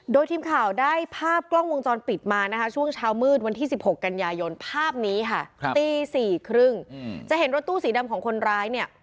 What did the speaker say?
โดยทีมข่าวได้ภาพกล้องวงจรปิดมานะคะช่วงเช้ามืดวันที่๑๖กันยายนภาพนี้ค่ะตี๔๓๐จะเห็นรถตู้สีดำของคนร้ายเนี่ย